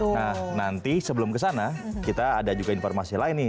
nah nanti sebelum kesana kita ada juga informasi lain nih